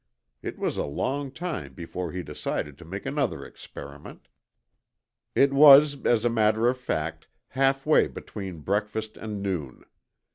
It was a long time before he decided to make another experiment. It was, as a matter of fact, halfway between breakfast and noon.